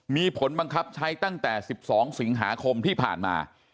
มีผลบังคับใช้ตั้งแต่๑๒สิงหาคมที่ผ่านมา